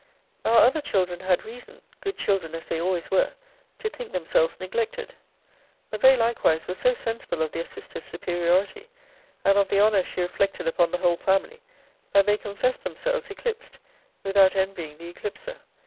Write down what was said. Our other children had reason (good children as they always were) to think themselves neglected. But they likewise were so sensible of their sister's superiority, and of the honour she reflected upon the whole family, that they confessed themselves eclipsed, without envying the eclipser.